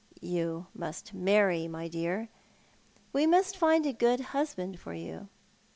You must marry, my dear ; we must find a good husband for you."